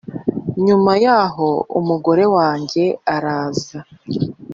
Nyuma yaho umugore wanjye araza